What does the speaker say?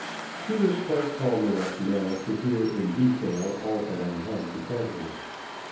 He was quite calm enough now to hear in detail all that I had to tell him.